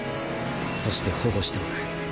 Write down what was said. そして保護してもらう。